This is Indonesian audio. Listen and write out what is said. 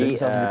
ini kita ada